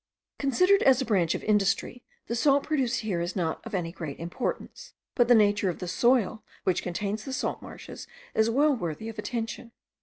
Considered as a branch of industry the salt produced here is not of any great importance, but the nature of the soil which contains the salt marshes is well worthy of attention.